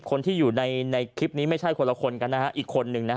คนที่อยู่ในคลิปนี้ไม่ใช่คนละคนกันนะฮะอีกคนนึงนะฮะ